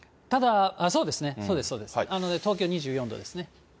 そうです、そうです、東京２４度ですね。